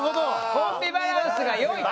「コンビバランスが良い」と。